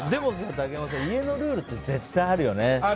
竹山さん、家のルールって絶対あるよね。